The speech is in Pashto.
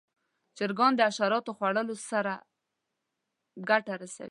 چرګان د حشراتو خوړلو سره ګټه رسوي.